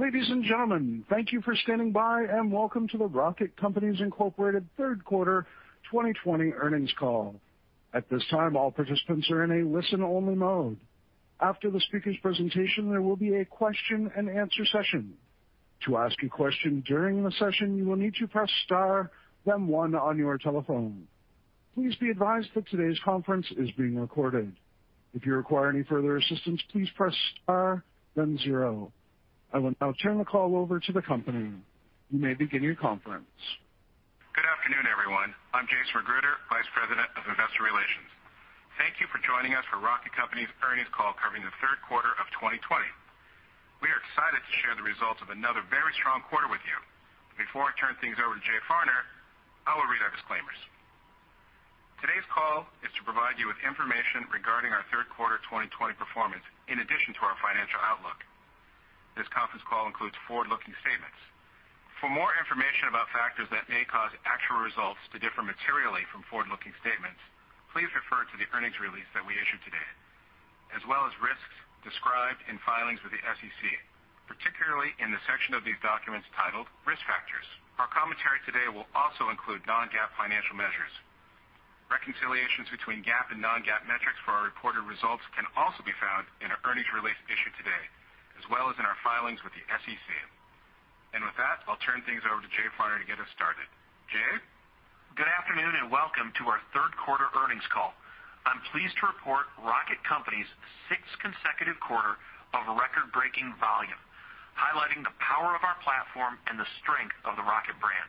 Ladies and gentlemen, thank you for standing by, and welcome to the Rocket Companies, Inc. Q3 2020 earnings call. At this time, all participants are in a listen-only mode. After the speaker's presentation, there will be a question and answer session. To ask a question during the session, you will need to press star, then one on your telephone. Please be advised that today's conference is being recorded. If you require any further assistance, please press star, then zero. I will now turn the call over to the company. You may begin your conference. Good afternoon, everyone. I'm Jason Golec, Vice President of Investor Relations. Thank you for joining us for Rocket Companies' earnings call covering the Q3 of 2020. We are excited to share the results of another very strong quarter with you. Before I turn things over to Jay Farner, I will read our disclaimers. Today's call is to provide you with information regarding our Q3 2020 performance, in addition to our financial outlook. This conference call includes forward-looking statements. For more information about factors that may cause actual results to differ materially from forward-looking statements, please refer to the earnings release that we issued today, as well as risks described in filings with the SEC, particularly in the section of these documents titled "Risk Factors." Our commentary today will also include non-GAAP financial measures. Reconciliations between GAAP and non-GAAP metrics for our reported results can also be found in our earnings release issued today, as well as in our filings with the SEC. With that, I'll turn things over to Jay Farner to get us started. Jay? Good afternoon, and welcome to our Q3 earnings call. I'm pleased to report Rocket Companies' sixth consecutive quarter of record-breaking volume, highlighting the power of our platform and the strength of the Rocket brand.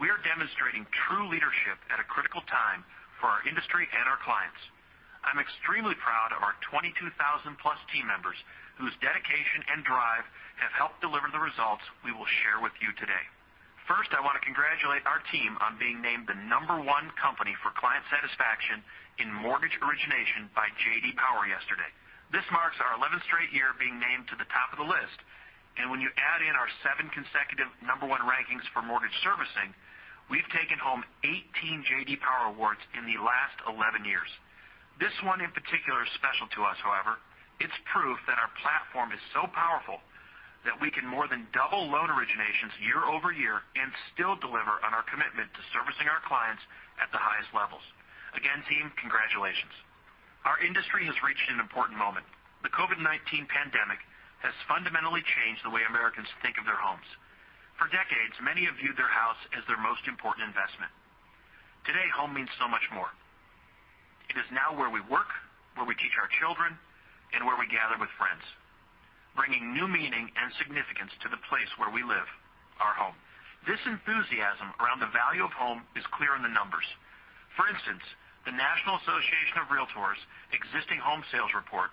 We are demonstrating true leadership at a critical time for our industry and our clients. I'm extremely proud of our 22,000-plus team members whose dedication and drive have helped deliver the results we will share with you today. First, I want to congratulate our team on being named the number one company for client satisfaction in mortgage origination by J.D. Power yesterday. This marks our 11th straight year being named to the top of the list, and when you add in our seven consecutive number one rankings for mortgage servicing, we've taken home 18 J.D. Power Awards in the last 11 years. This one in particular is special to us, however. It's proof that our platform is so powerful that we can more than double loan originations year-over-year and still deliver on our commitment to servicing our clients at the highest levels. Again, team, congratulations. Our industry has reached an important moment. The COVID-19 pandemic has fundamentally changed the way Americans think of their homes. For decades, many have viewed their house as their most important investment. Today, home means so much more. It is now where we work, where we teach our children, and where we gather with friends, bringing new meaning and significance to the place where we live, our home. This enthusiasm around the value of home is clear in the numbers. For instance, the National Association of Realtors Existing-Home Sales report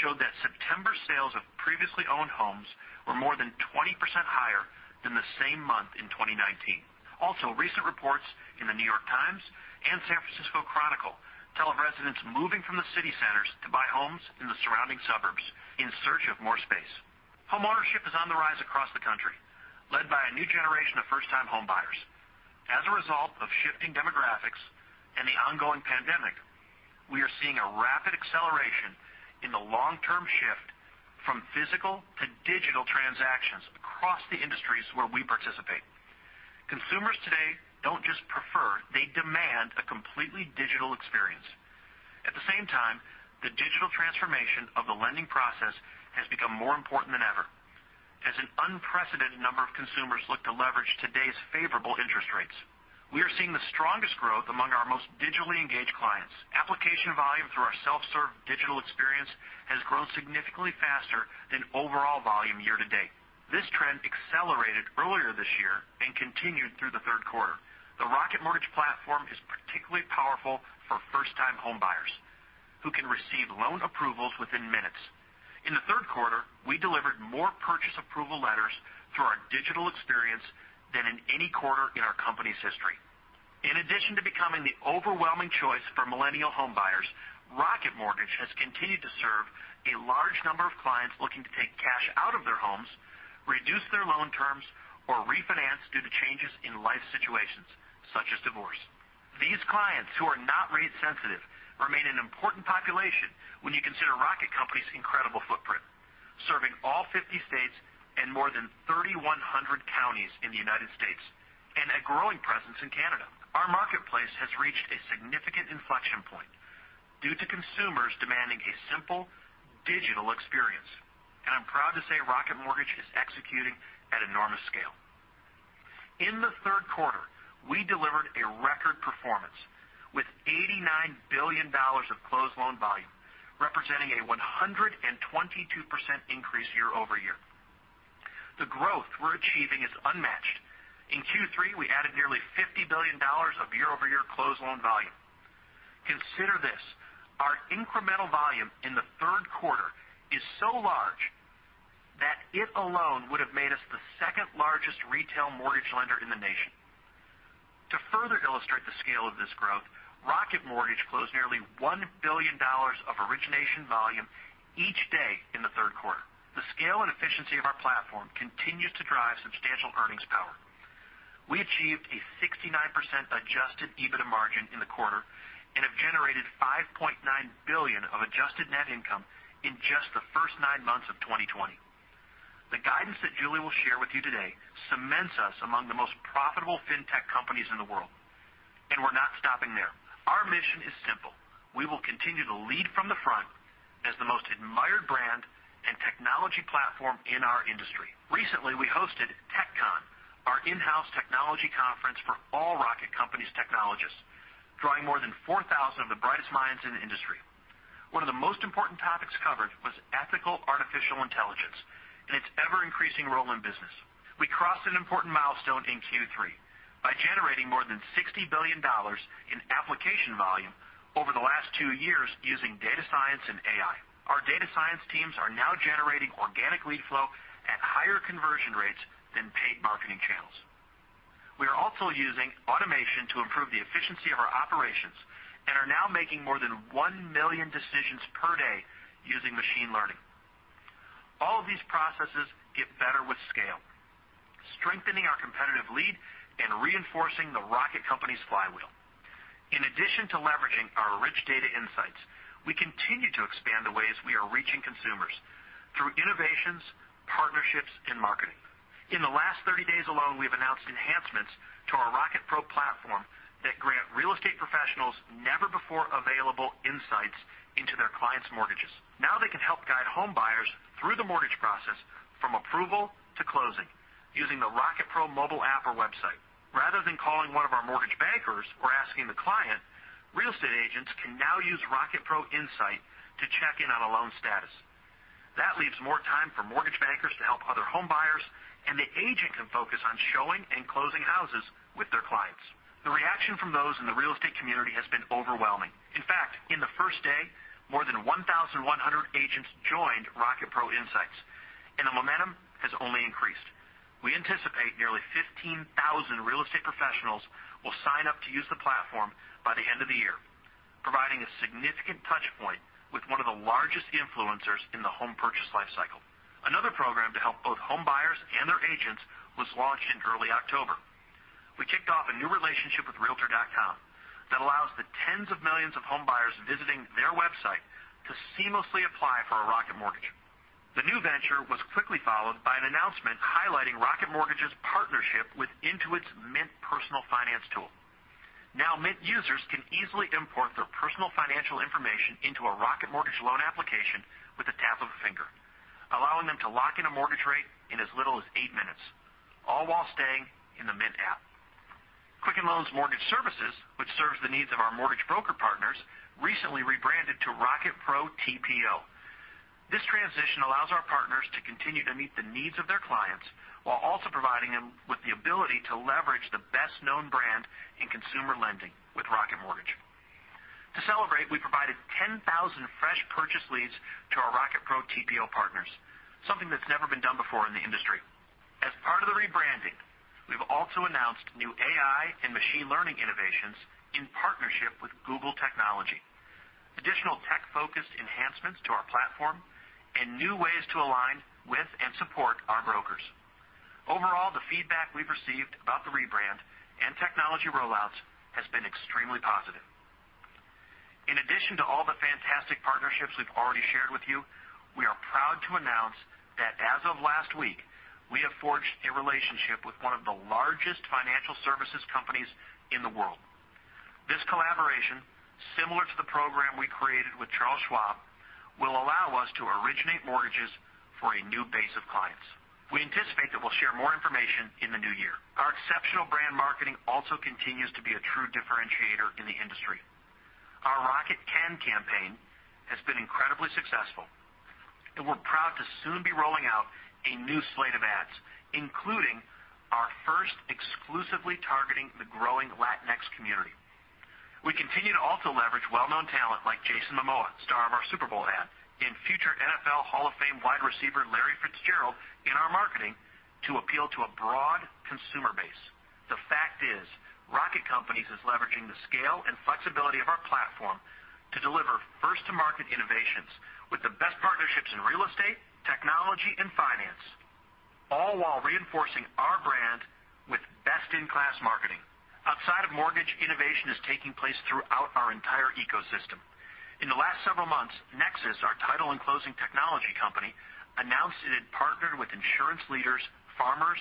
showed that September sales of previously owned homes were more than 20% higher than the same month in 2019. Also, recent reports in The New York Times and San Francisco Chronicle tell of residents moving from the city centers to buy homes in the surrounding suburbs in search of more space. Homeownership is on the rise across the country, led by a new generation of first-time homebuyers. As a result of shifting demographics and the ongoing pandemic, we are seeing a rapid acceleration in the long-term shift from physical to digital transactions across the industries where we participate. Consumers today don't just prefer, they demand a completely digital experience. At the same time, the digital transformation of the lending process has become more important than ever as an unprecedented number of consumers look to leverage today's favorable interest rates. We are seeing the strongest growth among our most digitally engaged clients. Application volume through our self-serve digital experience has grown significantly faster than overall volume year to date. This trend accelerated earlier this year and continued through the Q3. The Rocket Mortgage platform is particularly powerful for first-time homebuyers who can receive loan approvals within minutes. In the Q3, we delivered more purchase approval letters through our digital experience than in any quarter in our company's history. In addition to becoming the overwhelming choice for millennial homebuyers, Rocket Mortgage has continued to serve a large number of clients looking to take cash out of their homes, reduce their loan terms, or refinance due to changes in life situations such as divorce. These clients, who are not rate sensitive, remain an important population when you consider Rocket Companies' incredible footprint, serving all 50 states and more than 3,100 counties in the United States and a growing presence in Canada. Our marketplace has reached a significant inflection point due to consumers demanding a simple digital experience, and I'm proud to say Rocket Mortgage is executing at enormous scale. In the Q3, we delivered a record performance with $89 billion of closed loan volume, representing a 122% increase year-over-year. The growth we're achieving is unmatched. In Q3, we added nearly $50 billion of year-over-year closed loan volume. Consider this, our incremental volume in the Q3 is so large that it alone would have made us the second-largest retail mortgage lender in the nation. To further illustrate the scale of this growth, Rocket Mortgage closed nearly $1 billion of origination volume each day in the Q3. The scale and efficiency of our platform continue to drive substantial earnings power. We achieved a 69% adjusted EBITDA margin in the quarter and have generated $5.9 billion of adjusted net income in just the first nine months of 2020. The guidance that Julie will share with you today cements us among the most profitable fintech companies in the world. We're not stopping there. Our mission is simple. We will continue to lead from the front as the most admired brand and technology platform in our industry. Recently, we hosted TechCon, our in-house technology conference for all Rocket Companies technologists, drawing more than 4,000 of the brightest minds in the industry. One of the most important topics covered was ethical artificial intelligence and its ever-increasing role in business. We crossed an important milestone in Q3 by generating more than $60 billion in application volume over the last two years using data science and AI. Our data science teams are now generating organic lead flow at higher conversion rates than paid marketing channels. We are also using automation to improve the efficiency of our operations and are now making more than one million decisions per day using machine learning. All of these processes get better with scale, strengthening our competitive lead and reinforcing the Rocket Companies flywheel. In addition to leveraging our rich data insights, we continue to expand the ways we are reaching consumers through innovations, partnerships, and marketing. In the last 30 days alone, we've announced enhancements to our Rocket Pro platform that grant real estate professionals never before available insights into their clients' mortgages. Now, they can help guide home buyers through the mortgage process from approval to closing using the Rocket Pro mobile app or website. Rather than calling one of our mortgage bankers or asking the client, real estate agents can now use Rocket Pro Insight to check in on a loan status. That leaves more time for mortgage bankers to help other home buyers, and the agent can focus on showing and closing houses with their clients. The reaction from those in the real estate community has been overwhelming. In fact, on the first day, more than 1,100 agents joined Rocket Pro Insight, and the momentum has only increased. We anticipate nearly 15,000 real estate professionals will sign up to use the platform by the end of the year, providing a significant touchpoint with one of the largest influencers in the home purchase life cycle. Another program to help both home buyers and their agents was launched in early October. We kicked off a new relationship with Realtor.com that allows the tens of millions of home buyers visiting their website to seamlessly apply for a Rocket Mortgage. The new venture was quickly followed by an announcement highlighting Rocket Mortgage's partnership with Intuit's Mint personal finance tool. Now, Mint users can easily import their personal financial information into a Rocket Mortgage loan application with the tap of a finger, allowing them to lock in a mortgage rate in as little as eight minutes, all while staying in the Mint app. Quicken Loans Mortgage Services, which serves the needs of our mortgage broker partners, recently rebranded to Rocket Pro TPO. This transition allows our partners to continue to meet the needs of their clients while also providing them with the ability to leverage the best-known brand in consumer lending with Rocket Mortgage. To celebrate, we provided 10,000 fresh purchase leads to our Rocket Pro TPO partners, something that's never been done before in the industry. As part of the rebranding, we've also announced new AI and machine learning innovations in partnership with Google Technology, additional tech-focused enhancements to our platform, and new ways to align with and support our brokers. Overall, the feedback we've received about the rebrand and technology rollouts has been extremely positive. In addition to all the fantastic partnerships we've already shared with you, we are proud to announce that as of last week, we have forged a relationship with one of the largest financial services companies in the world. This collaboration, similar to the program we created with Charles Schwab, will allow us to originate mortgages for a new base of clients. We anticipate that we'll share more information in the new year. Our exceptional brand marketing also continues to be a true differentiator in the industry. Our Rocket Can campaign has been incredibly successful, and we're proud to soon be rolling out a new slate of ads, including our first exclusively targeting the growing Latinx community. We continue to also leverage well-known talent like Jason Momoa, star of our Super Bowl ad, and future NFL Hall of Fame wide receiver Larry Fitzgerald in our marketing to appeal to a broad consumer base. The fact is, Rocket Companies is leveraging the scale and flexibility of our platform to deliver first-to-market innovations with the best partnerships in real estate, technology, and finance, all while reinforcing our brand with best-in-class marketing. Outside of mortgage, innovation is taking place throughout our entire ecosystem. In the last several months, Nexsys Technologies, our title and closing technology company, announced it had partnered with insurance leaders Farmers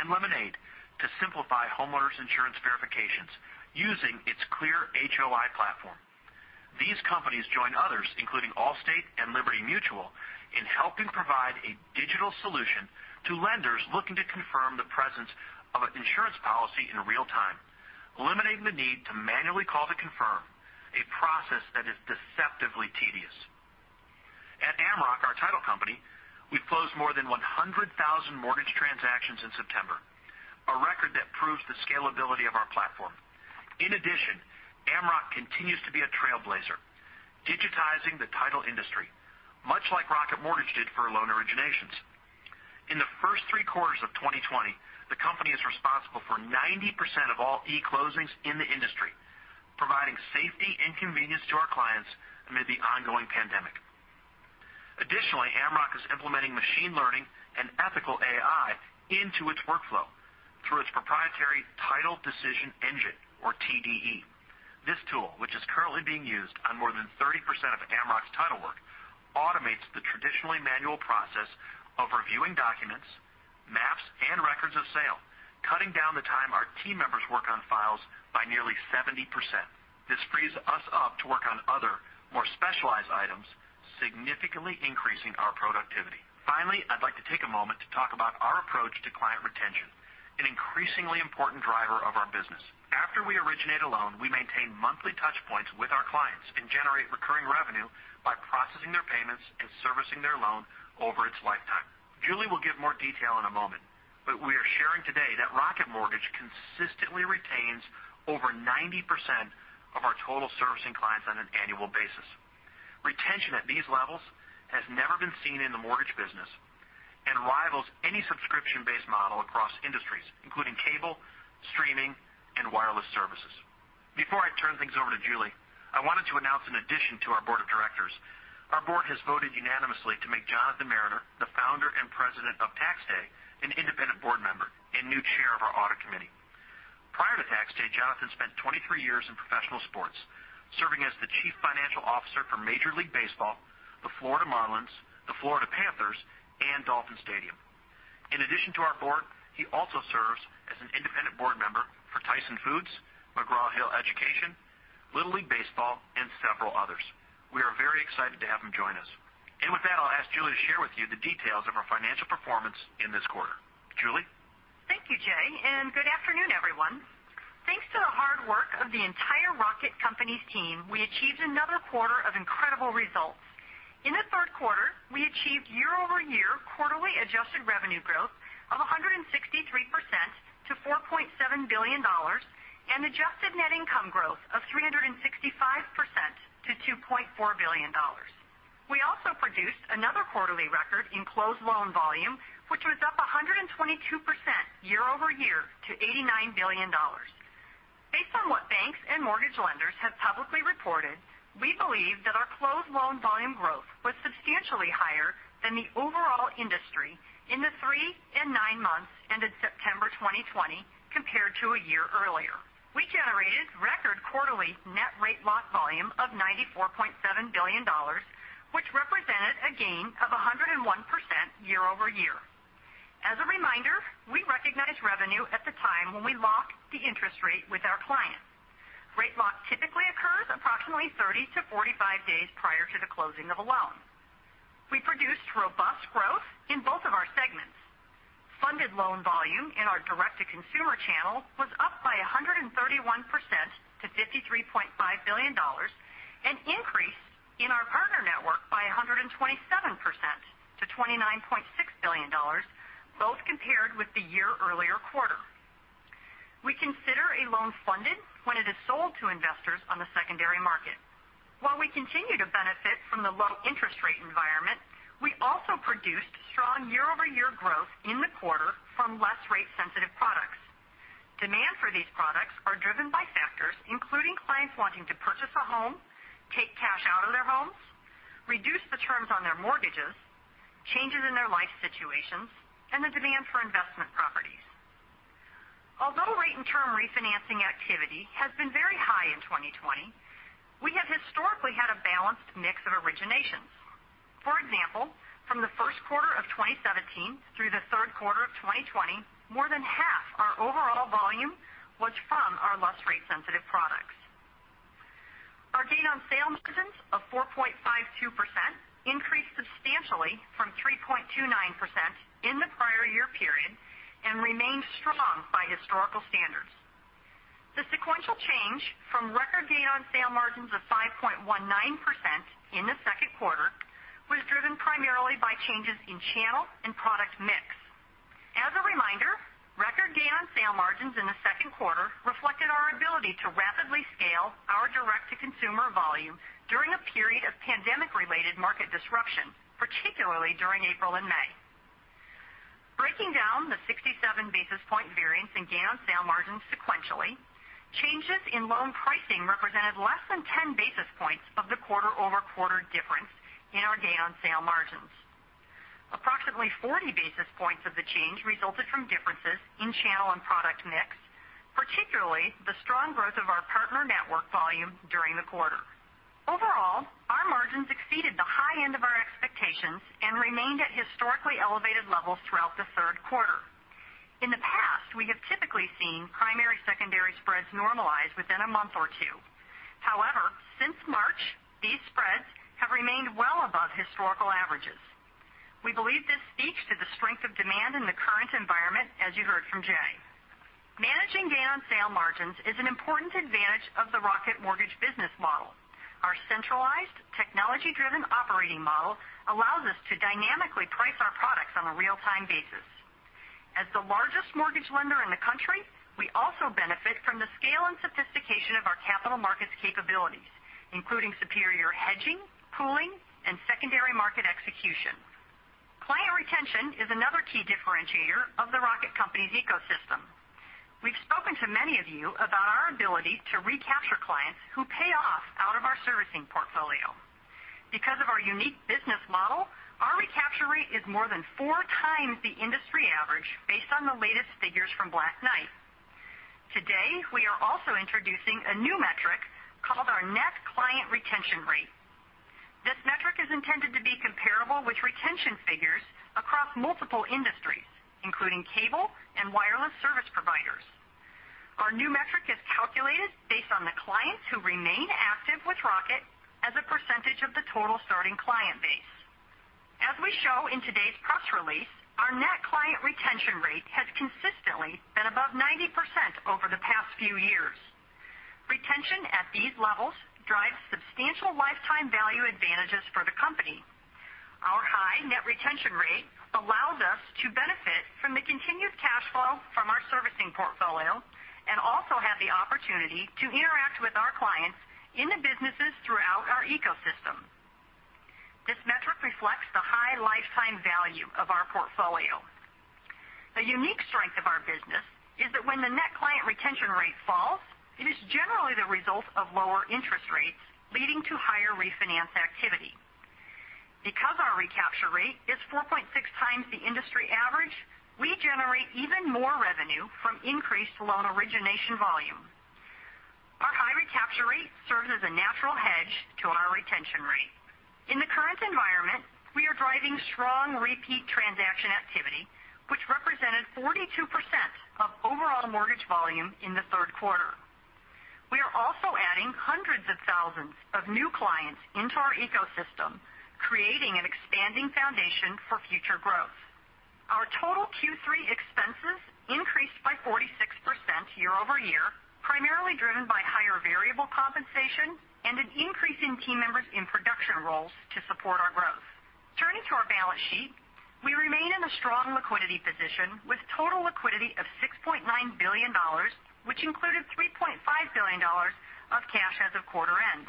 and Lemonade to simplify homeowners insurance verifications using its Clear HOI platform. These companies join others, including Allstate and Liberty Mutual, in helping provide a digital solution to lenders looking to confirm the presence of an insurance policy in real time, eliminating the need to manually call to confirm, a process that is deceptively tedious. At Amrock, our title company, we closed more than 100,000 mortgage transactions in September, a record that proves the scalability of our platform. In addition, Amrock continues to be a trailblazer, digitizing the title industry, much like Rocket Mortgage did for loan originations. In the first three quarters of 2020, the company is responsible for 90% of all eClosings in the industry, providing safety and convenience to our clients amid the ongoing pandemic. Additionally, Amrock is implementing machine learning and ethical AI into its workflow through its proprietary Title Decision Engine, or TDE. This tool, which is currently being used on more than 30% of Amrock's title work, automates the traditionally manual process of reviewing documents, maps, and records of sale, cutting down the time our team members work on files by nearly 70%. This frees us up to work on other, more specialized items, significantly increasing our productivity. Finally, I'd like to take a moment to talk about our approach to client retention, an increasingly important driver of our business. After we originate a loan, we maintain monthly touch points with our clients and generate recurring revenue by processing their payments and servicing their loan over its lifetime. Julie will give more detail in a moment, but we are sharing today that Rocket Mortgage consistently retains over 90% of our total servicing clients on an annual basis. Retention at these levels has never been seen in the mortgage business and rivals any subscription-based model across industries, including cable, streaming, and wireless services. Before I turn things over to Julie, I wanted to announce an addition to our board of directors. Our board has voted unanimously to make Jonathan Mariner, the founder and president of TaxDay, an independent board member and new chair of our audit committee. Prior to TaxDay, Jonathan spent 23 years in professional sports, serving as the chief financial officer for Major League Baseball, the Florida Marlins, the Florida Panthers, and Dolphin Stadium. In addition to our board, he also serves as an independent board member for Tyson Foods, McGraw Hill, Little League Baseball, and several others. We are very excited to have him join us. With that, I'll ask Julie to share with you the details of our financial performance in this quarter. Julie? Thank you, Jay, and good afternoon, everyone. Thanks to the hard work of the entire Rocket Companies team, we achieved another quarter of incredible results. In the Q3, we achieved year-over-year quarterly adjusted revenue growth of 163% to $4.7 billion and adjusted net income growth of 365% to $2.4 billion. We also produced another quarterly record in closed loan volume, which was up 122% year-over-year to $89 billion. Based on what banks and mortgage lenders have publicly reported, we believe that our closed loan volume growth was substantially higher than the overall industry in the three and nine months ended September 2020 compared to a year earlier. We generated record quarterly net rate lock volume of $94.7 billion, which represented a gain of 101% year-over-year. As a reminder, we recognize revenue at the time when we lock the interest rate with our client. Rate lock typically occurs approximately 30-45 days prior to the closing of a loan. We produced robust growth in both of our segments. Funded loan volume in our direct-to-consumer channel was up by 131% to $53.5 billion, an increase in our partner network by 127% to $29.6 billion, both compared with the year-earlier quarter. We consider a loan funded when it is sold to investors on the secondary market. While we continue to benefit from the low interest rate environment, we also produced strong year-over-year growth in the quarter from less rate-sensitive products. Demand for these products are driven by factors including clients wanting to purchase a home, take cash out of their homes, reduce the terms on their mortgages, changes in their life situations, and the demand for investment properties. Although rate and term refinancing activity has been very high in 2020, we have historically had a balanced mix of originations. For example, from the Q1 of 2017 through the Q3 of 2020, more than half our overall volume was from our less rate-sensitive products. Our gain-on-sale margins of 4.52% increased substantially from 3.29% in the prior year period and remained strong by historical standards. The sequential change from record gain-on-sale margins of 5.19% in the Q2 was driven primarily by changes in channel and product mix. As a reminder, record gain-on-sale margins in the Q2 reflected our ability to rapidly scale our direct-to-consumer volume during a period of pandemic-related market disruption, particularly during April and May. Breaking down the 67-basis point variance in gain-on-sale margins sequentially, changes in loan pricing represented less than 10-basis points of the quarter-over-quarter difference in our gain-on-sale margins. Approximately 40-basis points of the change resulted from differences in channel and product mix, particularly the strong growth of our partner network volume during the quarter. Overall, our margins exceeded the high end of our expectations and remained at historically elevated levels throughout the Q3. In the past, we have typically seen primary/secondary spreads normalize within a month or two. However, since March, these spreads have remained well above historical averages. We believe this speaks to the strength of demand in the current environment, as you heard from Jay. Managing gain-on-sale margins is an important advantage of the Rocket Mortgage business model. Our centralized, technology-driven operating model allows us to dynamically price our products on a real-time basis. As the largest mortgage lender in the country, we also benefit from the scale and sophistication of our capital markets capabilities, including superior hedging, pooling, and secondary market execution. Client retention is another key differentiator of the Rocket Companies ecosystem. We've spoken to many of you about our ability to recapture clients who pay off out of our servicing portfolio. Because of our unique business model, our recapture rate is more than four times the industry average based on the latest figures from Black Knight. Today, we are also introducing a new metric called our net client retention rate. This metric is intended to be comparable with retention figures across multiple industries, including cable and wireless service providers. Our new metric is calculated based on the clients who remain active with Rocket as a percentage of the total starting client base. As we show in today's press release, our net client retention rate has consistently been above 90% over the past few years. Retention at these levels drives substantial lifetime value advantages for the company. Our high net retention rate allows us to benefit from the continued cash flow from our servicing portfolio, and also have the opportunity to interact with our clients in the businesses throughout our ecosystem. This metric reflects the high lifetime value of our portfolio. The unique strength of our business is that when the net client retention rate falls, it is generally the result of lower interest rates, leading to higher refinance activity. Because our recapture rate is 4.6 times the industry average, we generate even more revenue from increased loan origination volume. Our high recapture rate serves as a natural hedge to our retention rate. In the current environment, we are driving strong repeat transaction activity, which represented 42% of overall mortgage volume in the Q3. We are also adding hundreds of thousands of new clients into our ecosystem, creating an expanding foundation for future growth. Our total Q3 expenses increased by 46% year-over-year, primarily driven by higher variable compensation and an increase in team members in production roles to support our growth. Turning to our balance sheet, we remain in a strong liquidity position with total liquidity of $6.9 billion, which included $3.5 billion of cash as of quarter end.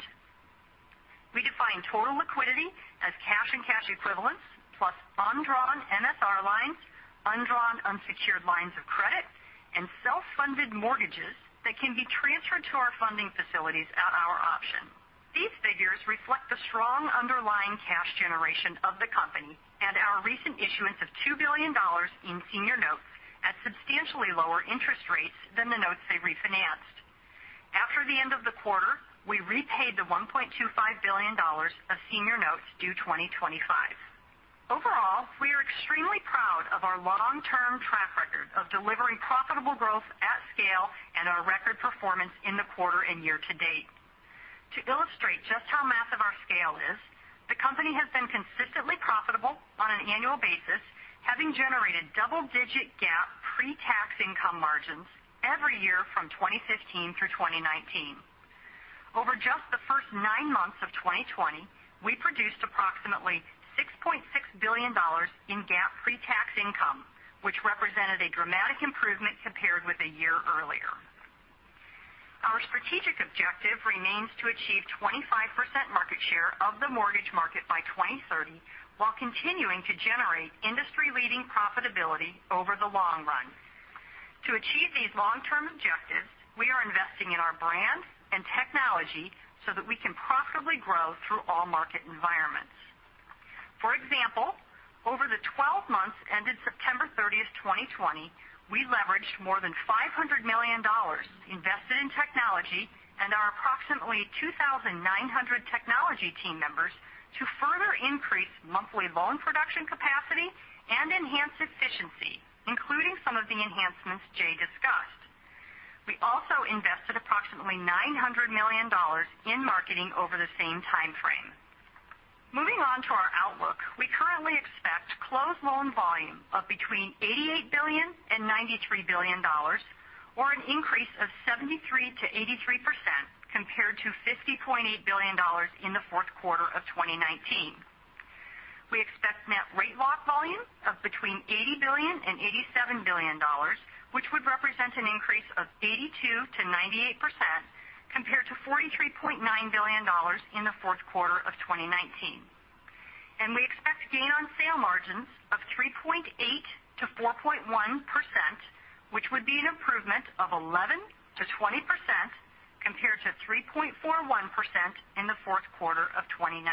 We define total liquidity as cash and cash equivalents, plus undrawn MSR lines, undrawn unsecured lines of credit, and self-funded mortgages that can be transferred to our funding facilities at our option. These figures reflect the strong underlying cash generation of the company and our recent issuance of $2 billion in senior notes at substantially lower interest rates than the notes they refinanced. After the end of the quarter, we repaid the $1.25 billion of senior notes due 2025. Overall, we are extremely proud of our long-term track record of delivering profitable growth at scale and our record performance in the quarter and year to date. To illustrate just how massive our scale is, the company has been consistently profitable on an annual basis, having generated double-digit GAAP pre-tax income margins every year from 2015 through 2019. Over just the first nine months of 2020, we produced approximately $6.6 billion in GAAP pre-tax income, which represented a dramatic improvement compared with a year earlier. Our strategic objective remains to achieve 25% market share of the mortgage market by 2030, while continuing to generate industry-leading profitability over the long run. To achieve these long-term objectives, we are investing in our brand and technology so that we can profitably grow through all market environments. For example, over the 12 months ended September 30th, 2020, we leveraged more than $500 million invested in technology and our approximately 2,900 technology team members to further increase monthly loan production capacity and enhance efficiency, including some of the enhancements Jay discussed. We also invested approximately $900 million in marketing over the same timeframe. Moving on to our outlook. We currently expect closed loan volume of between $88 billion and $93 billion, or an increase of 73%-83% compared to $50.8 billion in the Q4 of 2019. We expect net rate lock volume of between $80 billion and $87 billion, which would represent an increase of 82%-98% compared to $43.9 billion in the Q4 of 2019. We expect gain-on-sale margins of 3.8%-4.1%, which would be an improvement of 11%-20% compared to 3.41% in the Q4 of 2019.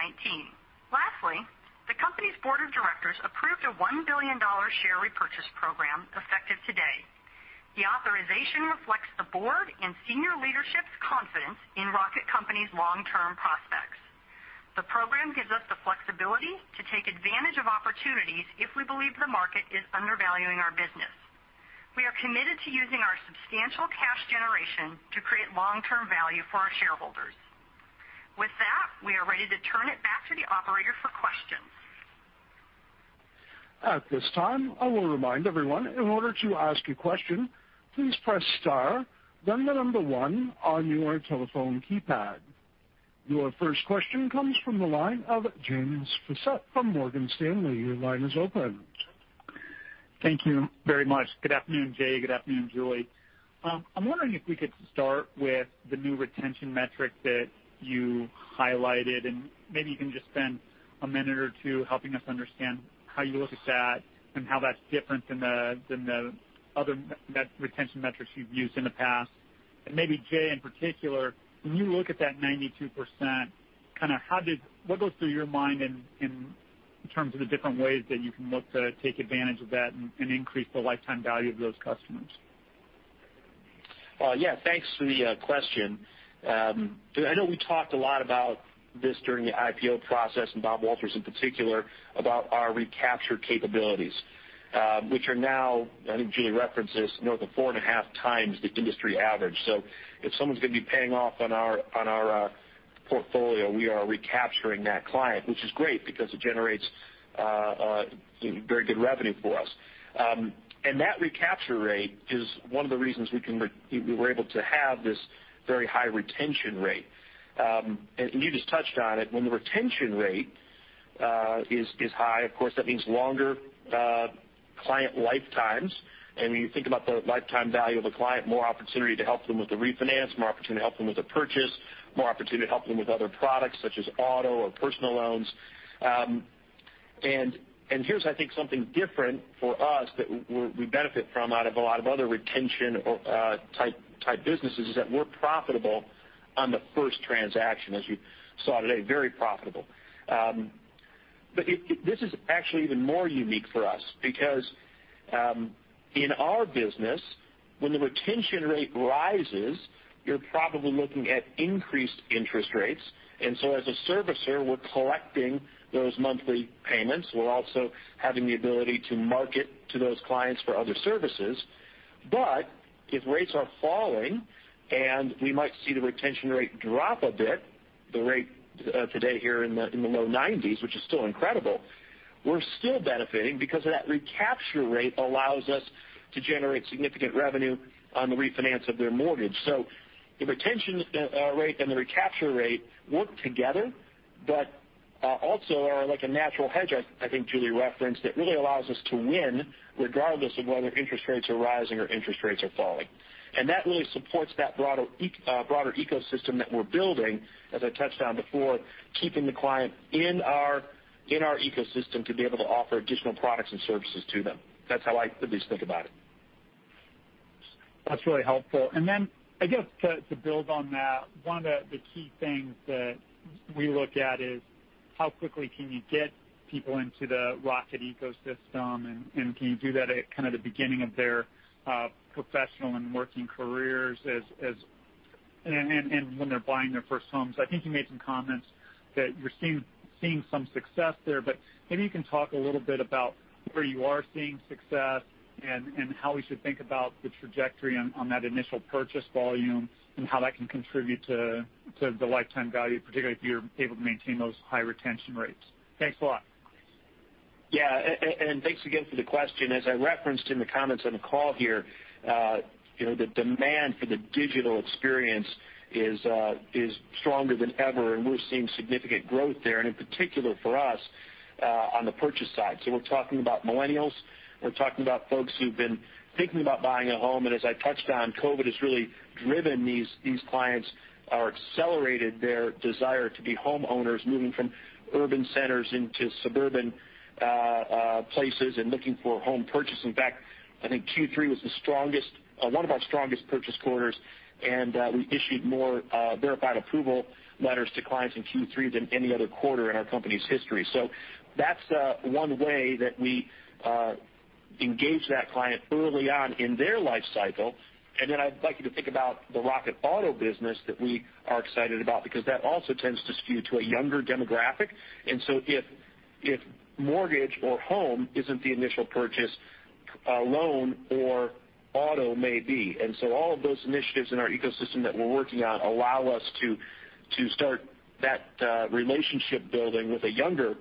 Lastly, the company's board of directors approved a $1 billion share repurchase program effective today. The authorization reflects the board and senior leadership's confidence in Rocket Companies' long-term prospects. The program gives us the flexibility to take advantage of opportunities if we believe the market is undervaluing our business. We are committed to using our substantial cash generation to create long-term value for our shareholders. With that, we are ready to turn it back to the operator for questions. At this time, I will remind everyone that in order to ask a question, please press star then the number one on your telephone keypad. Your first question comes from the line of James Faucette from Morgan Stanley. Your line is open. Thank you very much. Good afternoon, Jay. Good afternoon, Julie. I'm wondering if we could start with the new retention metric that you highlighted, and maybe you can just spend a minute or two helping us understand how you look at that and how that's different than the other retention metrics you've used in the past. Maybe, Jay, in particular, when you look at that 92%, what goes through your mind in terms of the different ways that you can look to take advantage of that and increase the lifetime value of those customers? Well, yeah. Thanks for the question. I know we talked a lot about this during the IPO process, and Bob Walters in particular, about our recapture capabilities, which are now, I think Julie referenced this, north of four and a half times the industry average. If someone's going to be paying off on our portfolio, we are recapturing that client, which is great because it generates very good revenue for us. That recapture rate is one of the reasons we were able to have this very high retention rate. You just touched on it. When the retention rate is high, of course, that means longer client lifetimes. When you think about the lifetime value of a client, more opportunity to help them with the refinance, more opportunity to help them with a purchase, more opportunity to help them with other products such as auto or personal loans. Here's, I think, something different for us that we benefit from out of a lot of other retention type businesses, is that we're profitable on the first transaction, as you saw today. Very profitable. This is actually even more unique for us because in our business, when the retention rate rises, you're probably looking at increased interest rates. As a servicer, we're collecting those monthly payments. We're also having the ability to market to those clients for other services. If rates are falling and we might see the retention rate drop a bit, the rate today here in the low 90s, which is still incredible, we're still benefiting because of that recapture rate allows us to generate significant revenue on the refinance of their mortgage. The retention rate and the recapture rate work together, but also are like a natural hedge, I think Julie referenced, that really allows us to win regardless of whether interest rates are rising or interest rates are falling. That really supports that broader ecosystem that we're building, as I touched on before, keeping the client in our ecosystem to be able to offer additional products and services to them. That's how I at least think about it. That's really helpful. I guess to build on that, one of the key things that we look at is how quickly can you get people into the Rocket ecosystem, and can you do that at kind of the beginning of their professional and working careers, and when they're buying their first homes. I think you made some comments that you're seeing some success there, but maybe you can talk a little bit about where you are seeing success and how we should think about the trajectory on that initial purchase volume and how that can contribute to the lifetime value, particularly if you're able to maintain those high retention rates. Thanks a lot. Yeah. Thanks again for the question. As I referenced in the comments on the call here, the demand for the digital experience is stronger than ever, and we're seeing significant growth there, and in particular for us, on the purchase side. We're talking about millennials. We're talking about folks who've been thinking about buying a home. As I touched on, COVID has really driven these clients or accelerated their desire to be homeowners, moving from urban centers into suburban places and looking for home purchase. In fact, I think Q3 was one of our strongest purchase quarters, and we issued more verified approval letters to clients in Q3 than any other quarter in our company's history. That's one way that we engage that client early on in their life cycle. I'd like you to think about the Rocket Auto business that we are excited about, because that also tends to skew to a younger demographic. If mortgage or home isn't the initial purchase, a loan or auto may be. All of those initiatives in our ecosystem that we're working on allow us to start that relationship building with a younger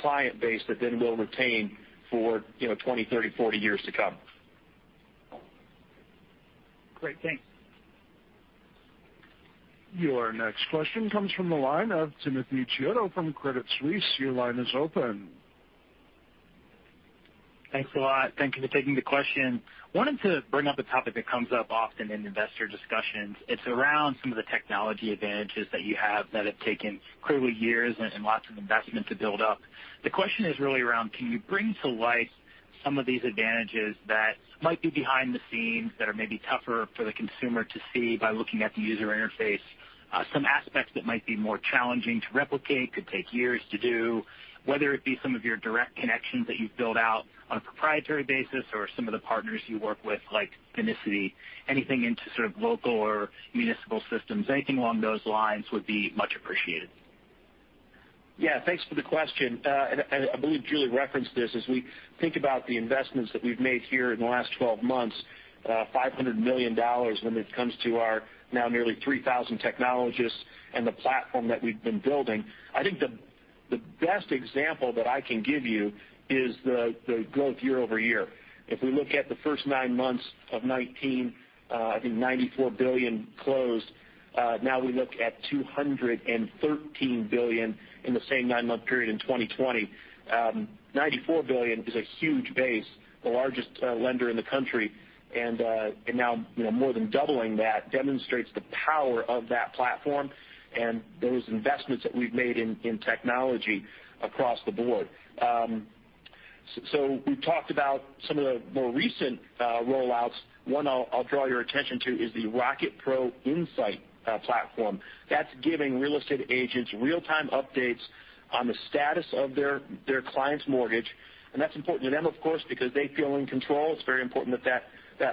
client base that then we'll retain for 20, 30, 40 years to come. Great. Thanks. Your next question comes from the line of Timothy Chiodo from Credit Suisse. Your line is open. Thanks a lot. Thank you for taking the question. Wanted to bring up a topic that comes up often in investor discussions. It's around some of the technology advantages that you have that have taken clearly years and lots of investment to build up. The question is really around can you bring to life some of these advantages that might be behind the scenes that are maybe tougher for the consumer to see by looking at the user interface, some aspects that might be more challenging to replicate, could take years to do, whether it be some of your direct connections that you've built out on a proprietary basis or some of the partners you work with, like Finicity. Anything into sort of local or municipal systems. Anything along those lines would be much appreciated. Yeah. Thanks for the question. I believe Julie referenced this. As we think about the investments that we've made here in the last 12 months, $500 million when it comes to our now nearly 3,000 technologists and the platform that we've been building. I think the best example that I can give you is the growth year-over-year. If we look at the first nine months of 2019, I think $94 billion closed. Now we look at $213 billion in the same nine-month period in 2020. $94 billion is a huge base, the largest lender in the country. Now, more than doubling that demonstrates the power of that platform and those investments that we've made in technology across the board. We've talked about some of the more recent rollouts. One I'll draw your attention to is the Rocket Pro Insight platform. That's giving real estate agents real-time updates on the status of their client's mortgage. That's important to them, of course, because they feel in control. It's very important that that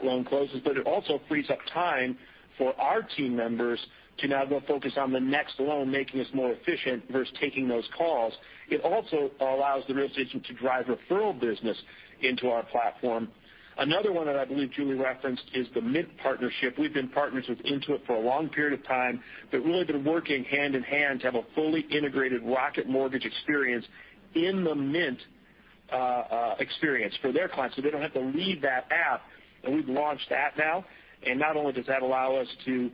loan closes, but it also frees up time for our team members to now go focus on the next loan, making us more efficient versus taking those calls. It also allows the real estate agent to drive referral business into our platform. Another one that I believe Julie referenced is the Mint partnership. We've been partners with Intuit for a long period of time, but really been working hand in hand to have a fully integrated Rocket Mortgage experience in the Mint experience for their clients, so they don't have to leave that app. We've launched that now. Not only does that allow us to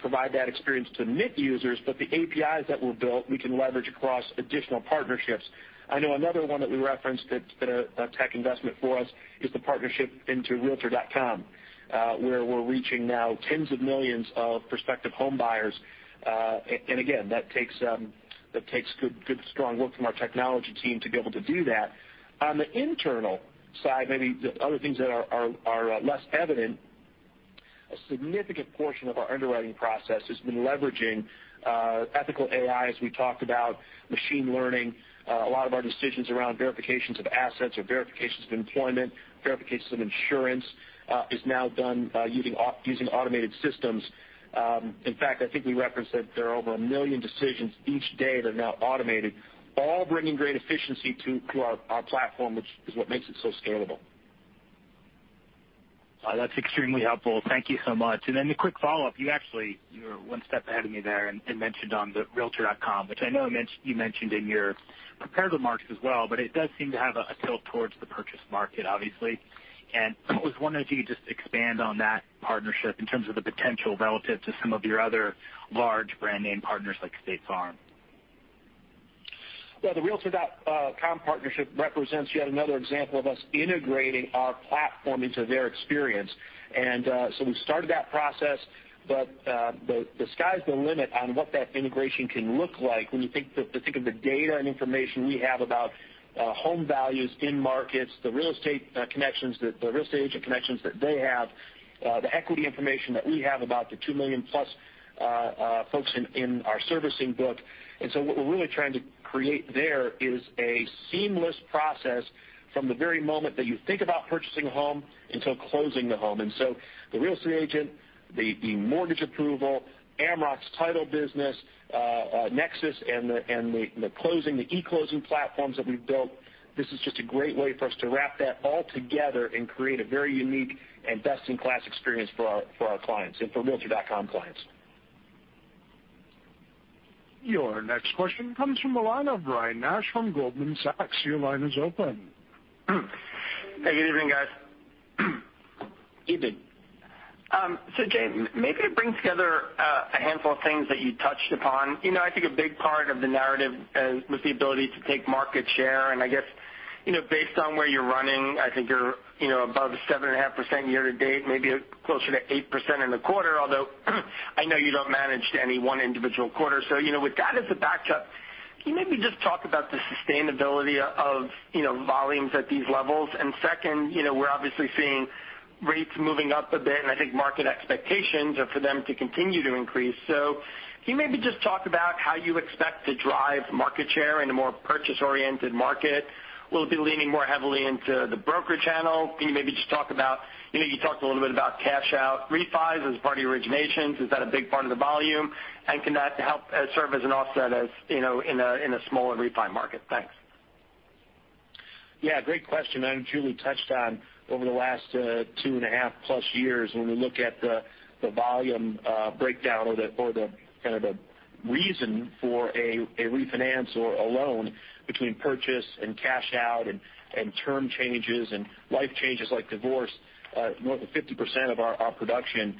provide that experience to Mint users, but the APIs that we've built, we can leverage across additional partnerships. I know another one that we referenced that's been a tech investment for us is the partnership into realtor.com, where we're reaching now tens of millions of prospective home buyers. Again, that takes good, strong work from our technology team to be able to do that. On the internal side, maybe the other things that are less evident, a significant portion of our underwriting process has been leveraging ethical AI, as we talked about, machine learning. A lot of our decisions around verifications of assets or verifications of employment, verifications of insurance is now done using automated systems. In fact, I think we referenced that there are over 1 million decisions each day that are now automated, all bringing great efficiency to our platform, which is what makes it so scalable. That's extremely helpful. Thank you so much. A quick follow-up. You actually were one step ahead of me there and mentioned on the realtor.com, which I know you mentioned in your prepared remarks as well. It does seem to have a tilt towards the purchase market, obviously. I was wondering if you could just expand on that partnership in terms of the potential relative to some of your other large brand name partners like State Farm. Well, the realtor.com partnership represents yet another example of us integrating our platform into their experience. We've started that process, but the sky's the limit on what that integration can look like when you think of the data and information we have about home values in markets, the real estate agent connections that they have, the equity information that we have about the two million plus folks in our servicing book. What we're really trying to create there is a seamless process from the very moment that you think about purchasing a home until closing the home. The real estate agent, the mortgage approval, Amrock's title business, Nexsys, and the e-closing platforms that we've built, this is just a great way for us to wrap that all together and create a very unique and best-in-class experience for our clients and for realtor.com clients. Your next question comes from the line of Ryan Nash from Goldman Sachs. Your line is open. Hey, good evening, guys. Evening. Jay, maybe to bring together a handful of things that you touched upon. I think a big part of the narrative was the ability to take market share. I guess, based on where you're running, I think you're above 7.5% year to date, maybe closer to 8% in the quarter, although I know you don't manage to any one individual quarter. With that as a backdrop, can you maybe just talk about the sustainability of volumes at these levels? Second, we're obviously seeing rates moving up a bit, and I think market expectations are for them to continue to increase. Can you maybe just talk about how you expect to drive market share in a more purchase-oriented market? Will it be leaning more heavily into the broker channel? Can you maybe just talk about, you talked a little bit about cash out refis as part of your originations. Is that a big part of the volume? Can that help serve as an offset in a smaller refi market? Thanks. Yeah, great question. I know Julie touched on over the last two and a half plus years, when we look at the volume breakdown or the kind of the reason for a refinance or a loan between purchase and cash out and term changes and life changes like divorce, more than 50% of our production